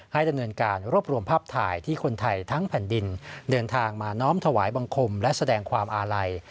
ดำเนินการรวบรวมภาพถ่ายที่คนไทยทั้งแผ่นดินเดินทางมาน้อมถวายบังคมและแสดงความอาลัย